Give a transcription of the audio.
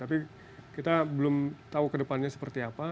tapi kita belum tahu ke depannya seperti apa